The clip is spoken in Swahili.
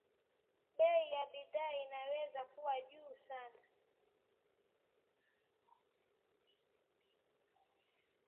upate mikosi ama matatizo na uelekezwe na wataalamu wa mila kuwa hao mapacha ama